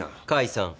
解散。